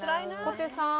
小手さん